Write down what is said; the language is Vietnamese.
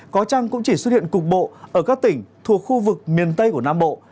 có trăng cũng chỉ xuất hiện cục bộ ở các tỉnh thuộc khu vực miền tây của nam bộ